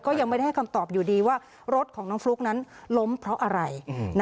ก็ยังไม่ได้ให้คำตอบอยู่ดีว่ารถของน้องฟลุ๊กนั้นล้มเพราะอะไร